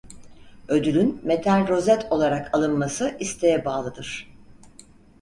Ödülün metal rozet olarak alınması isteğe bağlıdır.